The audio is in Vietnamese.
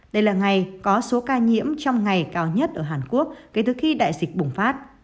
đây là ngày có số ca nhiễm trong ngày cao nhất ở hàn quốc kể từ khi đại dịch bùng phát